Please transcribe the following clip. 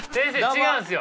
違うんですよ。